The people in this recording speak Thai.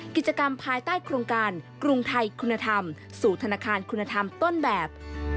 กิจกรรมภายใต้โครงการกรุงไทยคุณธรรมสู่ธนาคารคุณธรรมต้นแบบ